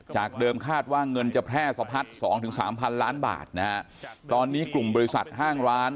จากเดิมคาดว่าเงินจะแพร่สะพัด๒๓พันล้านบาทตอนนี้กลุ่มบริษัทห้างร้าน